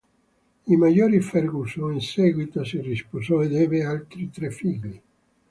Il maggiore Ferguson in seguito si risposò ed ebbe altri tre figli.